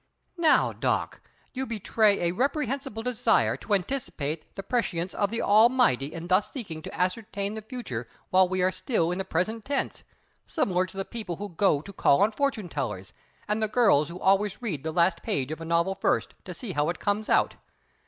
"Now, Doc, you betray a reprehensible desire to anticipate the prescience of the Almighty in thus seeking to ascertain the future while we are still in the present tense, similar to the people who go to call on fortune tellers, and the girls who always read the last page of a novel first, to see how it comes out!